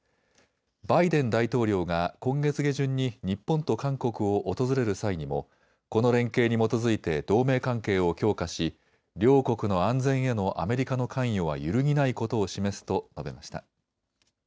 バイデン大統領が今月下旬に日本と韓国を訪れる際にもこの連携に基づいて同盟関係を強化し両国の安全へのアメリカの関与は揺るぎないことを示すと述べました。